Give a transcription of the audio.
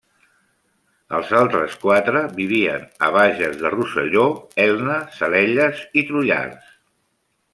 Els altres quatre vivien a Bages de Rosselló, Elna, Salelles i Trullars.